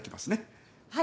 はい。